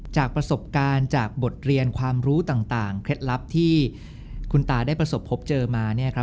จากประสบการณ์จากบทเรียนความรู้ต่างเคล็ดลับที่คุณตาได้ประสบพบเจอมา